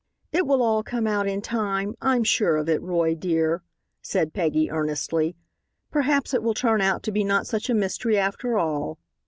"It will all come out in time. I'm sure of it, Roy, dear," said Peggy, earnestly. "Perhaps it will turn out to be not such a mystery after all."